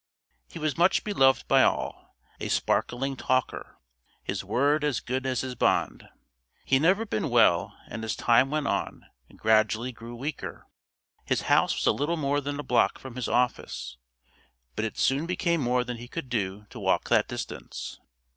He was much beloved by all, a sparkling talker his word as good as his bond. He had never been well and as time went on, gradually grew weaker. His house was a little more than a block from his office, but it soon became more than he could do to walk that distance.